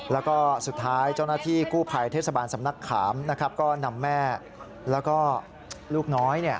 แล้วก็สุดท้ายเจ้าหน้าที่กู้ภัยเทศบาลสำนักขามก็นำแม่แล้วก็ลูกน้อย